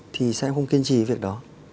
thì sao em không kiên trì việc đó